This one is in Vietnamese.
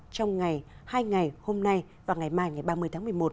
trong ngày hai ngày hôm nay và ngày mai ngày ba mươi tháng một mươi một